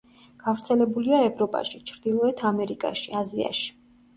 გავრცელებულია ევროპაში, ჩრდილოეთ ამერიკაში, აზიაში.